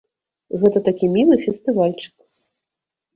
Гэта такі мілы фестывальчык.